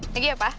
lagi ya pak